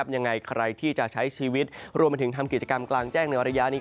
ยังไงใครที่จะใช้ชีวิตรวมไปถึงทำกิจกรรมกลางแจ้งในระยะนี้